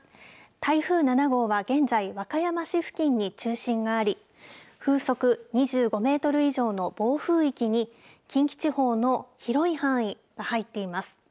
台風７号は現在、和歌山市付近に中心があり風速２５メートル以上の暴風域に近畿地方の広い範囲が入っています。